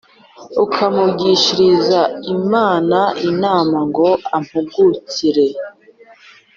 ukamugishiriza Imana inama ngo ampagurukire